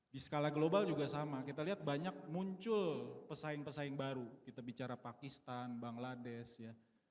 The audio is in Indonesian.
di skala global juga sama kita lihat banyak muncul pesaing pesaing baru kita bicara pakistan bangladesh ya